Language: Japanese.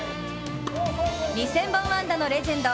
２０００本安打のレジェンド